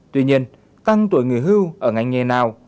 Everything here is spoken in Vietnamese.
tuy nhiên tăng tuổi người hưu ở ngành nghề nào